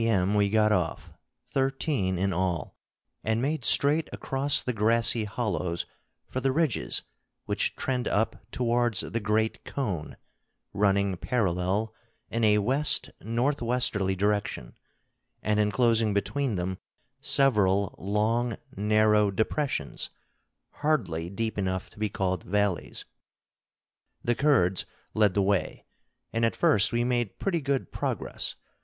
M. we got off, thirteen in all, and made straight across the grassy hollows for the ridges which trend up towards the great cone, running parallel in a west north westerly direction, and inclosing between them several long narrow depressions, hardly deep enough to be called valleys. The Kurds led the way, and at first we made pretty good progress.